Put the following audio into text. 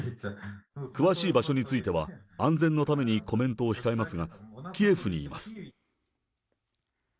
詳しい場所については、安全のためにコメントを控えますが、キエフにいます。